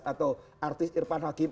atau artis irfan hakim